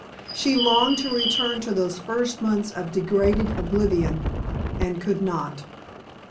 She longed to return to those first months of degraded oblivion, and could not!